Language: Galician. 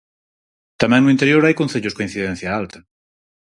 Tamén no interior hai concellos coa incidencia alta.